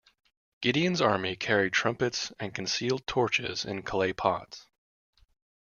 Gideon's army carried trumpets and concealed torches in clay pots.